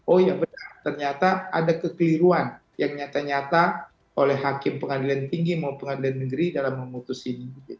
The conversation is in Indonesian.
oh ya benar ternyata ada kekeliruan yang nyata nyata oleh hakim pengadilan tinggi mau pengadilan negeri dalam memutus ini